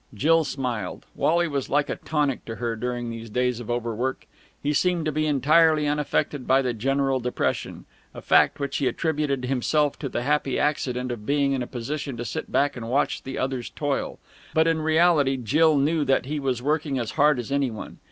Jill smiled. Wally was like a tonic to her during these days of overwork. He seemed to be entirely unaffected by the general depression, a fact which he attributed himself to the happy accident of being in a position to sit back and watch the others toil. But in reality Jill knew that he was working as hard as any one.